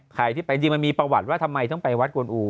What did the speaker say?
ใครที่ไปจริงมันมีประวัติว่าทำไมต้องไปวัดกวนอู